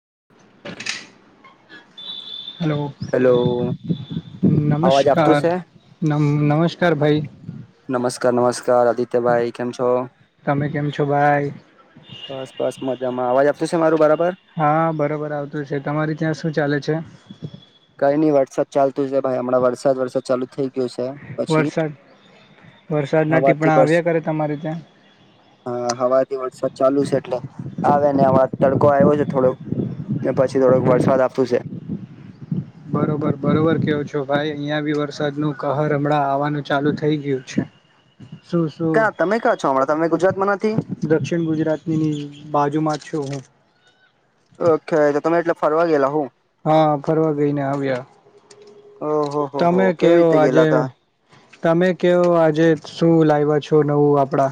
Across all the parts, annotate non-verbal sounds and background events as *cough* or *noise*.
*inaudible* Hello અવાજ આપતું નમસ્કાર છે નમ નમસ્કાર ભાઈ કાર આદિત્યભાઈ કેમ છો? તમે કેમ છો ભાઈ બસ બસ મજામાં અવાજ આ છે મારું બરાર હા બરોબર આવતું છે, તમારી ત્યાં શું ચાલે છે? કઈ નઈ વરસાદ ચાલતું છે, ભાઈ હમણાં વરસાદ વરસાદ ચાલુ થઈ ગયો છે પછી વરસાદ વરસાદના હવાથી ટીપણા બસ આવ્યા કરે તમારે ત્યાં હા હવાથી વરસાદ ચાલુ છે એટલે આવેને આમા તડકો આવ્યો છે થોડોક ને પછી થોડોક વરસાદ આવતું છે *inaudible* બરોબર, બરોબર કેવો છો ભાઈ, અહિયાં ભી વરસાદ નું કહર હમણાં આવવાનું ચાલુ થઈ ગયું છે. *unintelligible* શું કા તમે કા છો હમણાં? તમે ગુજ દક્ષિણ ગુજરાતની ની બાજુમાં જ છું હું ઓકે તો તમે એટલે ફરવા ગયેલા હો? હા ફરવા ગઈ ને આવ્યા ઓહો હો હો તમે કેવી કેવો રીતે ગયેલા આજે, તા તમે કેવો આજે જ શું લાવ્યા છો નવું? આપણા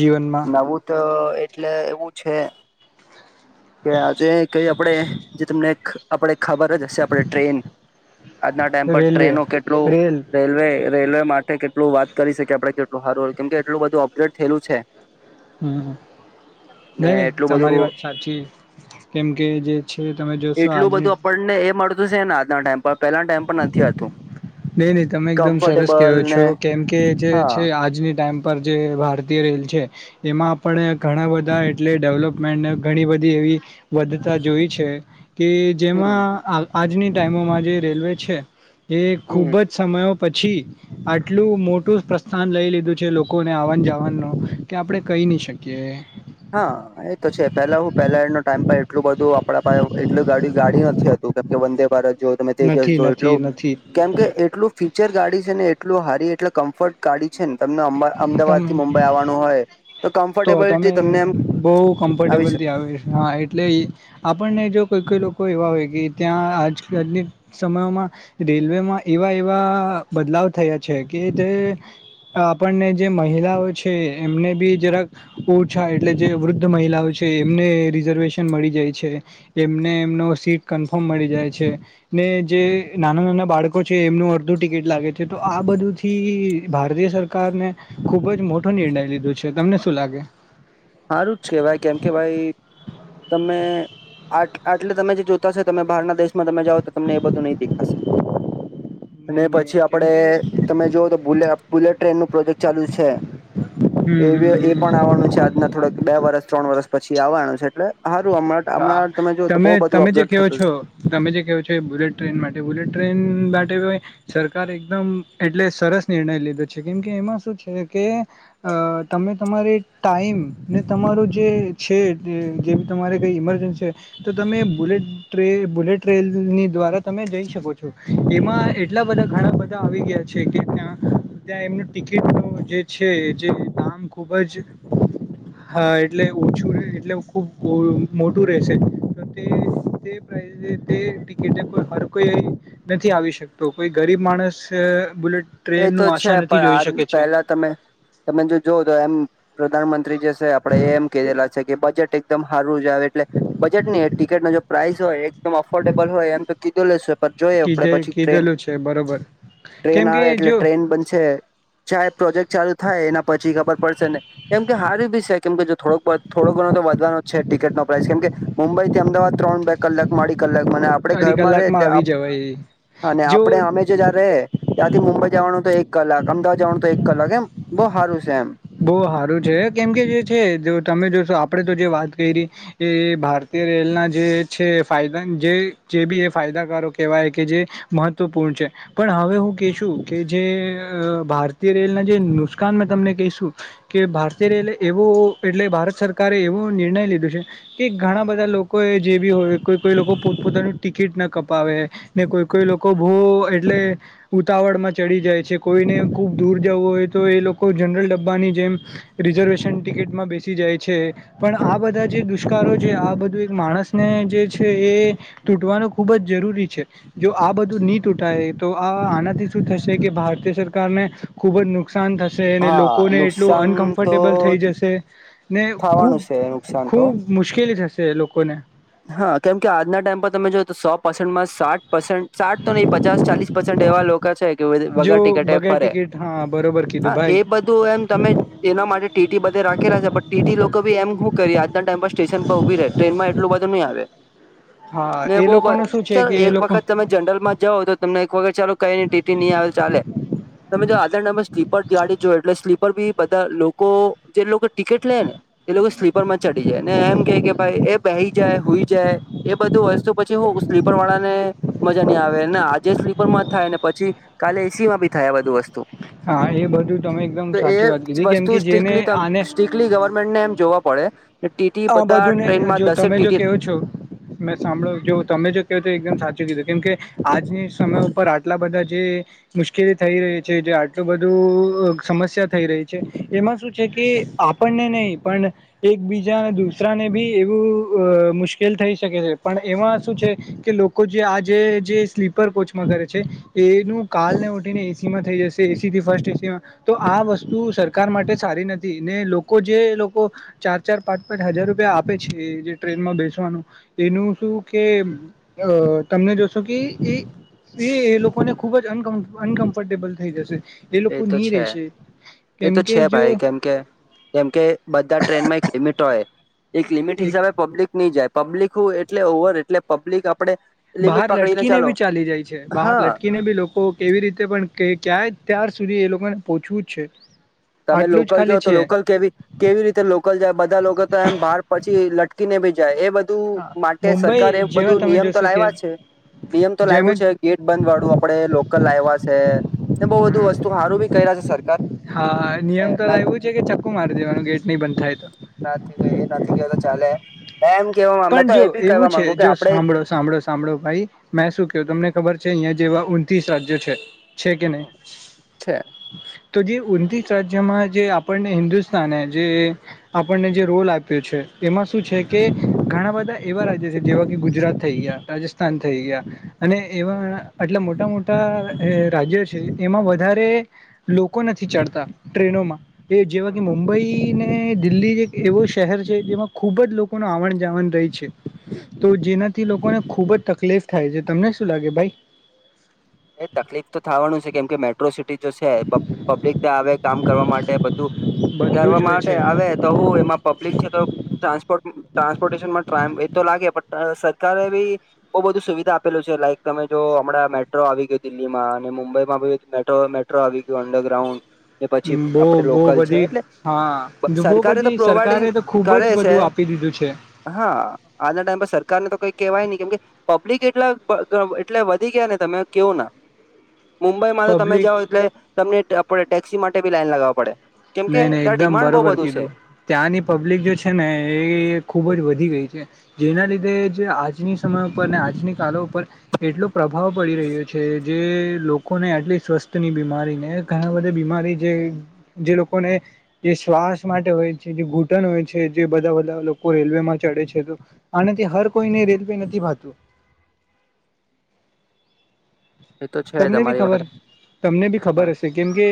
જીવનમાં નવું તો એટલે એવું છે કે આજે કઈ આપણેે જે તમને આપણે ખબર જ હશે આપણે ટ્રેન આજના ટાઈમ પર રેલવે ટ્રેનો કેટલું રેલ રેલવે રેલવે માટ તે કેટલું વાત કરી શકી આપડે કેટલું સારું હોય કેમ કે એટલું બધું અપગ્રેડ થયેલું છે હમ્મ ને નઈ નઈ એટલું તમારી બધું વાત સાચી કેમ કે જે છે તમે જોશો આજની ના ટાઈમ પર પહેલા ના ટાઈમ પર નથી હાલતું *inaudible* નહીં નહી તમે એકદમ સરસ કહો ને છો કેમકે જે હા છે આજની ટાઈમ પર જે ભારત તીય રેલ છે, એમાં આપણે ઘણા બધા એટલે ડેવલપમેન્ટ ઘણી બધી એવી વધ તા જોઈ છે. કે હમ જેમાં આ આજની ટાઈમોમાં જે રેલવે છે એ ખૂબ હમ જ સમયો પછી આટલું મોટું પ્રસ્થાન લઈ લીધું છે લોકોને આવન જાવનનું, કે આપણે કઈ કઈ ની શકીએ. હા એ તો છે, પેલા હું પેલાનો ટાઈમ ભાઈ એટલું બધું આપણા પાહે હોય, એટલું ગાડી ગાડી નથી હતું, કેમકે વંદે ભારત જો તમે *inaudible* નથી તો નથી એટલું નથી કેમ કે એટલું ફી ચર ગાડી છે ને, એટલું હારી એટલે કમ્ફર્ટ ગાડી છે ને તમને અમા અમદાવાદ તમે થી મુંબઈ આવવાનું હોય તો કમ્ફર્ટેબલ મે બહુ કમ્ફર્ટેબલ થી આવે રહીશું, હા એટલે ઇ આપણને જો કોઈ કોઈ લો કોઈ એવા હોય કે ત્યાં આજકલની સમયોમાં રેલવેમાં એવા-એવા બદલાવ આવુ થયો છે કે તે આપણને જે મહિલાઓ છે એમને ભી જરાક ઓછા એટલે જે વૃદ્ધ મહિલાઓ છે એમને રિઝર્વેશન મળી જાય છે એમને નો સીટ કન્ફર્મ મળી જાય છે. ને જે નાના-નાના બાળકો છે એમનું અડધું ટિકિટ લાગે છે. છે. આ બધુંથી ભારતીય સરકારને ખુબ જ મોટો નિર્ણય લીધો છે. તમને શું? શું લાગે? હારું જ કહેવાય કેમ કે ભાઈ તમે આટ આટલે તમે જે જોતા હશે તમે બહારના દેશમાં તમે જાઓ તો તમને એ બધું નહીં દેખાશે. અને નહી પછી નહી કેમ આપડે કે તમે જોવોતો બુલે બુલેટ ટ્રેનનો પ્રોજેક્ટ ચાલુ છે. એ એ પણ હમ આવવાનું છે આજના થોડાક બે વર્ષ ત્રણ વર્ષ પછી આવવાનું છે એટલે સારું હમણાં હા હમણાં જો તો તમે બહુ બધું તમે જે અપગ્રેડ કેહો થતું છો તમે જે કેહો છો બુલેટ ટ્રેન માટે બુલેટ ટ્રેન માટે સરકારે એકદમ એટલે સરસ નિર્ણય લીધો છે કેમ કે એમાં શું છે કે અ તમે તમારે ટાઈમ ને તમારો જે છે જેમ તમારે કંઈ ઇમરજન્સી હોય તો તમે બુલેટ ટ્રેન ટ્રેનની દ્વારા તમે જઈ શકો છો. એમાં એટલા બધા ઘણા બધા આવી ગયા છે કે ત્યાં ત્યાં એમનું ટિકિટનું જે છે. જે દામ ખૂબ જ હા એટલે ઓછું એટલે ખૂબ મોટું રહેશે. તે તે પ્રાઈસે તે ટિકિટે કોઈ હર કોઈ નથી આવી શકતો કોઈ ગરીબ માણસ બુલેટ એ તો ટ્રેનનું છે આશા નથી પણ જોઈ આજ શકે છે પહેલા તમે તમે જો જોવ તો એમ પ્રધાનમંત્રી જે તે આપડે એમ કેરેલા. છે કે બજેટ એકદમ હારું જ આવે એટલે બજેટ નહીં ટિકિટ ન જો પ્રાઇસ હોય એકદમ અફોર્ડેબલ હોય એમ તો કીધું લેશે પર જોઈ આપે કીધે પછી કીધેલું છે બરોબર ટ્રેન-ટ્રેન કેમ કે આવે. એટલે જો ટ્રેન બનશે ચાહે પ્રોજેક્ટ ચાલુ થાય એના પછી ખબર પડશે ને. કેમ કે હારી બી છે કેમ કે જો થોડોક બોહત થોડો ઘણો તો વધવાનો જ છે ટિકિટનો પ્રાઇસ કેમ કે મુંબઈથી અમદાવાદ ત્રણ બે કલાકમા અડી કલાક. મને આપડે અઢી ઘરમાં રેહ કલાકમાં ત્યાં આવી જવાય આપ અને જો આપડે અમે જે જ્યાં રેહ. ત્યાંથી મુંબઈ જવાનું તો એક કલાક. અમદાવાદ જવાનું તો એક કલાક. એમ બહુ હારું છે એમ. બોહ હારું છે કેમ કે જે છે જો તમે જો આપણેે તો જે વાત કરી એ ભારતીય રેલના જે છે જે ફાયદાન બી એ ફાયદાકારો કેહેવાય કે જે મહત્વપૂર્ણ છે. કે પણ હવે હું કેશું કે જે અ ભારતીય રેલના જે નુસકાન મેં તમને કહીશું. કે ભારતીય રેલવે એવો એટલે ભારત સરકારે એવુ નિર્ણય લીધો છે કે ઘણા બધા લોકોએ જેભી હોય કોઈ-કોઈ લોકો પોતપોતાનું ટિકિટ ના કપાવે ને કોઈ-કોઈ લોકો બો એટલે ઉતાવળમાં ચડી જાય છે. કોઈને ખુબ દૂર જવું હોય તો એ લોકો જનરલ ડબ ડબ્બાની જેમ રિઝર્વેશન ટિકિટમાં બેસી જાય છે પણ આ બધા જે દુષ્કારો છે આ બ બધું એજ માણસને જે છે એ તૂટવાનું ખુબ જ જરૂરી છે. જો આ બધું નહી તૂટ થાય એતો. આ આનાથી શું થશે કે ભારતીય સરકારને ખુબ જ નુકસાન થશે અને લોકો હા લોકોને એટલું નુકસાન તો અનકમ્ફર્ટેબલ થઈ જશે ને થવાનું છે નુકસાન તો ખૂબ-ખૂબ મુશ્કેલી થશે. તે એ લોકોને. હા કેમ કે આજના ટાઈમ પર તમે જો તો સો પર્સન્ટમાં સાત પર્સેન્ટ સાટ તો નહી પચાસ ચાલીસ પર્સેન્ટ એવા લોકો છે કે વગર જો ટિકિટે બગેર ફરે. ટિકિટ હા બરોબર કીધું હા એ ભાઈ બધું એમ તમે એના માટે ટીટી બધે રાખેલા છે પણ ટીટી લોકો ભી એમ શું કરી આજે આજના ટાઈમ પર સ્ટેશન પર ઉભી રહે ટ્રેનમાં એટલું બધું નહીં આવે. હા. ને એ બહુંબર લોકોનું શું છે કે ચાલ એ એક લોકો વખત તમે જનરલ માં જાઓ તો તમને એક વખત ચાલો કઈ નહી ટીટી ની આવે ચાલે. તમે જો આધારણમે સ્લીપર જાડી જો એટલે સ્લીપ ઉપર બી બધા લોકો જે લોકો ટિકિટ લે ને એ લોકો સ્લીપર માં ચડી જાય ને એમ કે કે ભાઈ એ બેહી. જાય હુંઈ જાય એ બધું વસ્તુ પછી હું સ્લીપર વાળાને મજા ની આવે આજે સ્લીપર માં થાય ને પછી કાલે એસી માં ભી થાય આ બધું વસ્તુ. હા એ બધું તમે એકદમ તો એ સાચી વાત કીધી કેમ વસ્તુ કે જેને સ્ટકલી આને સ્ટ્રીકલી ગવર્મેન્ટને એમ જોવા પડે ટીટી બધા ટ્રેન માં દસેક ટીટી કે છો મેં સાંભળો જો તમે જો કે તો એકદમ સાચું કીધું કેમ કે આજની સમય ઉપર આટલા બધા જે મુશ્કેલી થઈ રહી છે જે આટલું બધું સમસ્યા થઈ રહી છે એમાં શું છે કે આપણને નહી પણ એક બીજ દુરાને બી એવું મુશ્કેલ થઈ શકે છે પણ એમાં શું છે કે લોકો જે આખ જે જે સ્લીપર કોચમાં કરે છે એનું કાલ ને ઉઠીને એસી માં થઈ જશે એસી થી ફર્સ્ટ તો આ વસ્તુ સરકાર માટે સારી નથી ને લોકો જે લોકો ચ ચાર પાંચ પાચ હજાર રૂપિયા આપે છે જે ટ્રેનમાં બેસવાનું એનું શું કે તમને જોશો કે એ એ એ લોકોને ખુબ જ અનકમ્ફર્ટેબલ થઈ જશે એ લોકો તો નહી છે રહેેશે એ તો છે ભાઈ કેમકે કેમકે બધા ટ્રેનમાં એક લિમિટ એક લિમિટ એક હિસાબે પબ્લિક નહી જાય પબ્લિક એટલે ઓવર એટલે પબ્લિક આપડે બહાર લિમિટ પકડીને લટકીને ચાલો બી ચાલી જાય છે બહાર હા લટકીને બી લોકો કેવી રીતે પણ ક્યાય અત્યાર સુધી એ લોકોને પોહોંચવું જ છે તમે આટલું જ લોકલ જો ખાલી તો છે લોકલ કેવી કેવી રીતે લોકલ જાય બધા લોકો તો એમ બહાર પછી લટકીને બી જાય એ બધું માટે સરકારે મુંબઈ જેવા બધું તમે નિયમ તો જોશો કે લાવવા છે નિયમ તો જેમ લાવું છે જ ગેટ બંધ વાળું આપડે લોકલ લાવવા છે બહુ બધું વસ્તુ સારું બી કર્યા છે સરકાર હા એ નિયમ તો લાવ્યું છે કે ચક્કુ મારી દેવાનું ગેટ નહી બંધ થાય તો નથી ચલે હે. પણ જો એવું છે, જો આપડે સાંભળો સાંભળો સાંભળો ભાઈ મે શું ક તમને ખબર છે. છે, અહિયાં જેવા ઉતસ રાજ્યો છે. છે કે નહી? છે. તો જે તસ રાજ્યમાં જે આપણને હિન્દુસ્તાને જે આપણને જે રોલ આપ્યો છે. એમાં શું છે કે ઘણા બધા એવા રાજ્ય છે, જેવા કે ગુજરાત થઈ ગયા, રાજસ્થાન થઈ ગયા, અને એવા એટલે મોટા મોટા રાજ્યો છે એમાં વધારે લોકો નથી ચડતા ટ્રેનોમાં એ જેવા કે મુંબઈ ને દિલ્હી એક એવો શહેર છે જેમાં ખુબ જ લોકો ન આવણ આવન જાવન રહે છે, તો જેનાથી લોકોને ખુબ જ તકલીફ થાય છે. તમને શું લાગે ભાઈ? હ. એ તકલીફ તો થવાનું છે કેમ કે મેટ્રો સિટી જો છે, પબ્લિક ત આવે કામ કરવા માટે વધુ બધું કરવા જ હોય માટે છે આવે તો હું એમાં પબ્લિક છે, તો ટ્રાન્સપોર્ટ ટ્રાન્સપોર્ટેશનમાં ટ ટાઈમ તો લાગે પણ સરકારે બી બહુ બધુ સુવિધા આપેલું છે. લાઈક તમે જો હમણાં મે મેટ્રો આવી ગયો દિલ્હીમાં અને મુંબઈમાં મેટ્રો આવી ગયો અંડરગ્રાઉન્ડ ને પછી બહુ આપડે બો લોકલ છે પધી એટલે હા બહ સરકારે તો પછી પ્રોવાઈડિંગ સરકારે તો ખુબ જ કરે છે બધું આપી દીધ દીધું છે. હા, આજના ટાઈમ પર સરકારને તો કઈ કેવાય નહી. કેમ કે પબ્લિક એટલા એટલે વધી ગયા ને તમે કેવો ના મુંબઈમાં તો તમે પબ્લિક જાઓ એટલે તમને આપણે ટેક્સી માટે બી લાઈઇન લગાવવા પડે. કેમ કે નહી નહી ત્યાં એકદમ ડિમાન્ડ બહુ બરોબર બધું છે કીધું. ત્યાંની પબ્લિક જે છે ને એ ખુબ જ વધી ગઈ છે. જેના લીધે જ આજની સમય ઉપર, આજની કાળો ઉપર એટલો પ્રભાવ પડી રહ્યો છે. જે લોકોને આટલી સ્વસ્થ ની બીમારી ને ઘણા બધી બીમારી જે જે લોકોને જે શ્વાસ માટે હોય છે, જે ઘૂંટન હોય છે, જે બધા બધા લોકો રેલવે માં ચડ હર કોઈને રેલવે નથી ભતું એ તો છે તમને બી તમારી વાત ખબર, તમને બી ખબર તમારે. હશે કેમ કે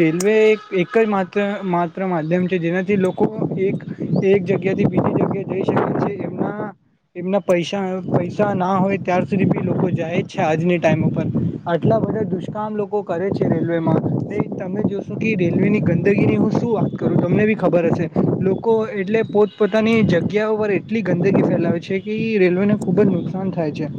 રેલવે એક એકત્ર માત્ર માધ્યમ છે જેનાથી લોકો એક એક જગ્યાથી બીજી જઈ શકે છે. એમના એમના પૈસા પૈસા ના હોય ત્યાર સુધી બી લોકો જાય જ છે. આજની ટાઈમ પણ આટલા બધા દુષ્કામ લોકો કરે છે. રેલવેમાં તે તમે જોશો કે રેલવે ની ગંદગીની શું શું વાત કરું તમને બી ખબર હશે લોકો એટલે પોત પોતાની જગ્યા પર એટલી ગંદગી ફેલાવે ફેલાવે છે, કે એ રેલવે ને ખુબ જ નુકસાન થાય છે.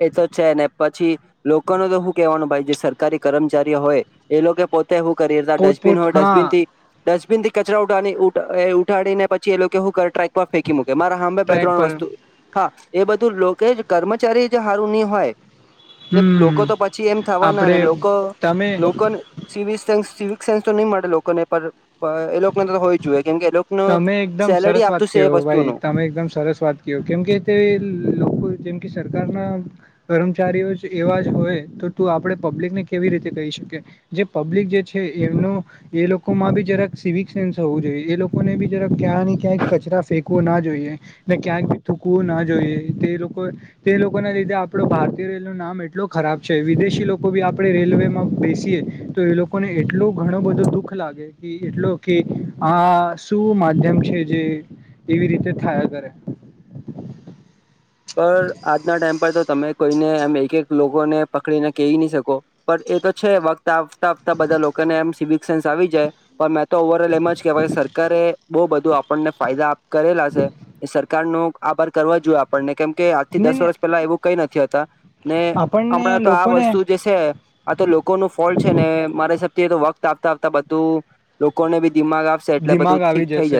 એ તો છે ને પછી લોકોનું તો હું કેવાનું ભાઈ જે સરકારી કર્મચારીઓ હોય એ લોકો પોતે હું કરીએ ડસ્ટબિન પોતપોત હોય હા ડસ્ટબિન થી ડસ્ટબિન થી કચરા ઉાઠા ઉઠાડીને પછી એ લોકો હું કર ટ્રક ફેંકી મૂકે મારા હામે બે ટ્રેક ત્રણ પર વસ્તુ હા એ બધું લોકો કર્મચારી જો હારુ ની હોય. ને લોકો તો હમ પછી એમ થવાના આપડે ને લોકો તમે લોકો સિવિક સેન્સ સિવિક સેન્સ તો નહી મળે લોકોને પણ એ લોકો ને તો હોવી જોએ. તમે એકદમ સરસ વાત ક્યો એ ભાઈ વસ્તુનું તમે એકદમ સરસ વાત ક્યો કેમ કે તે લોકો જેમ કે સર સરકારના કર્મચારીઓ જ એવા જ હોય તો તું આપડે પબ્લિકને કેવી રીતે કહી શકી. જે પબ્લિક જે છે, એમનો એ લોકોમાં બી જરાક સિવિક સેન્સ હોવું જોઈએ. એ લોકો લોકોને બી જરા ક્યાંય ને ક્યાંક કચરા ફેંકવું ના જોઈએ, ને ક્યાંય બી થૂકવું ના જોઈએ. તે લોકો તે લોકોને લીધે આપડો ભારતીય રેલ નું નામ એટલો ખરાબ છે વિદેશી લોકો ભી આપડા રેલવેમાં બેસીએ તો એ લોકોને એટલો ઘણો બધો દુઃખ લાગે કે એટલો કે આ શું માધ્યમ છે. જે એવી રીતે થયા કરે પર આજના ટાઈમ પર તો તમે કોઈને અમે એક એક લોકોને પકડીને કહી નહી શકો પણ એ તો છે વત તા *unintelligible* બધા લોકોને એમ સિવિક સેન્સ આવી જાય પણ તો ઓવર ઓલ એમ જ કેહેવાય કે સરકારે બહુ બધું આપણને ફાયદા આપતા રહેલા છે સરકાર નો આભાર કરવા જોએ આપણને કેમ કે આજ થી નહી દસ નહી વર્ષ પેલા એવું કઈ નથી હતા ને આપણને હમણાં તો આ લોકોને વસ્તુ જે છે આ તો લોકો નો ફોલ છે ને મારે છે એતો વક્ત આવતા આવતા બધું લોકોને બી દિમાગ આપશે એટલે બધું દિમાગ ઠીક આવી થઈ જશે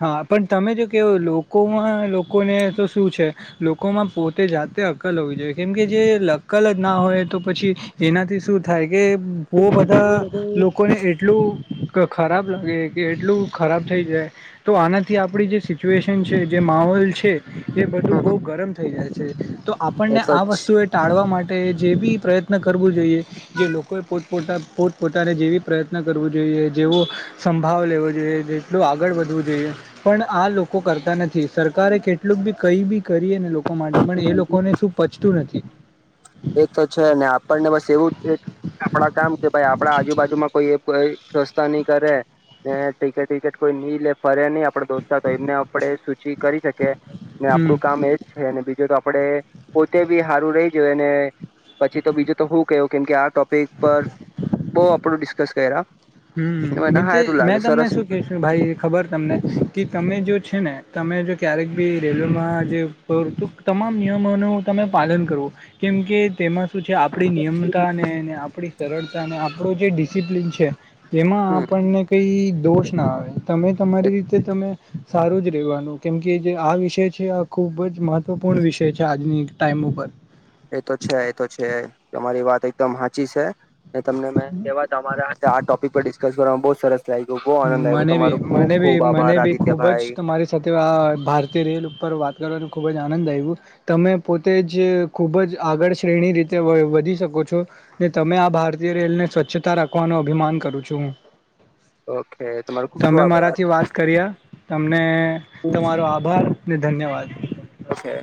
હા પણ તમે જો કેવ લોકોમાં લોકોને તો શું છે, લોકોમાં પોતે જાતે અક્કલ હોવી જોઈએ, કેમ કે જે અક્કલ જ ના હોય તો પછી એનાથી શું થાય કે બોવ એ બધા બધું લોકોને એટલું ખરાબ લાગે કે એટલું ખરાબ થઈ જાય તો આનાથી આપણી જે સિચ્યુએશન છે, જે માહોલ છે એ બધું બહું હમ ગરમ થઈ જાય છે તો આપણને એટલો આ વસ્તુ એ ટાળવા મા તે જે બી પ્રયત્ન કરવું જોઈએ જે લોકોએ પોતપોતા પોતપોતાને જેવી પ્રયત્ન કરવો જોઈ એ જેવો સંપ ભાગ લેવો જોઈએ જેટલું આગળ વધવું જોઈએ પણ આ લોકો કરતા નથી, સરકારે કેટલુંક બી કઈ બી કરીએ ને લોકો માટે પણ એ જ લોકોને શું પચતું નથી. એ તો છે ને આપણને બસ એવું જ કે આપણા કામ કે ભાઈ આપણા આજુબાજુમાં કોઈ એ સસ્તા નહી કરે ને ટિકેટ વિકેટ કોઈ ની લે ફરે ની આપડે રોજ ના ટાઇમે આપડે સૂચિ કરી શકીએ ને હમ આપડું કામ એજ છે અને બીજું *unintelligible* જો તો આપડે પોતે બી હારું રહી જોયને પછી તો બીજું તો હું કેવું કેમ કે આ ટોપિક પર બવ આપડે ડિસ્કસ કર્યા. હમ્મ મને *unintelligible* સારું મેં લાગે તમને સરસ શું કેશુ ભાઈ ખબર તમને કે તમે જો છે ને તમે જો ક્યારેક બી રેલવેમાં જે તમામ નિયમોનું તમે પાલન કરો કેમ કે તેમાં શું છે આ આપડી નિયમતાને આપડી સરળતા અને આપણું જે ડિસિપ્લિન છે એમાં હમ આપણને કઈ દોષ ના આવે. તમે તમારી રીતે તમે સારું જ રહેવાનું કેમ કે જે આ વિષય છે આ ખુબ જ મહત્વપૂર્ણ વિષય છે, આજની ટાઈમ ઉપર એ તો છે એ તો છે તમારી વાત એકદમ હાચી છે, અને તમને મેં કેવા તમારા આ ટોપિક પર ડિસ્કસ કરવામાં બઉ સરસ લાગ્યું બહુ આનંદ આવ્યો મને તમારો બી ખુબ મને ખુબ બી મને આભાર બી ખુબ જ આદિત્યભાઈ તમારી સાથે આ ભારતીય રેલ ઉપર વાત કરવાની ખૂબ જ આનંદ આયવો તમે પોતે જ ખૂબ જ આગળ શ્રેણી રીતે વધી શકો છો તમે આ ભારતીય રેલને સ્વચ્છતા રાખવાનો અભિમાન કરું છું હું. ઓકે તમારો ખુબ ખુબ તમે આભાર મારાથી વાત કર્યા તમને તમારો આભાર ને ધન્યવાદ. *inaudible* ઓકે